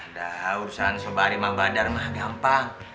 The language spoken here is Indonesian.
aduh urusan sama badar mah gampang